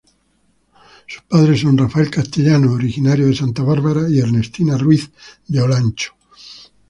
Sus padres son Rafael Castellanos, originario de Santa Bárbara, y Ernestina Ruiz de Olancho.